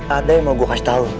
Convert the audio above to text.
ada yang mau gue kasih tau